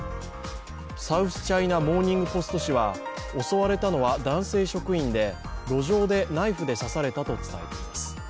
「サウスチャイナ・モーニング・ポスト」紙は襲われたのは男性職員で路上でナイフで刺されたと伝えています。